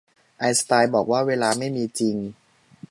ไอน์สไตน์บอกว่าเวลาไม่มีจริง